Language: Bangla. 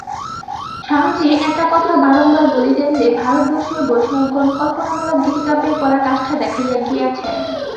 স্বামীজী একটা কথা বারংবার বলিতেন যে, ভারতবর্ষীয় বৈষ্ণবগণ কল্পনামূলক গীতিকাব্যের পরাকাষ্ঠা দেখাইয়া গিয়াছেন।